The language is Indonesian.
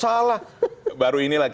jawa barat salah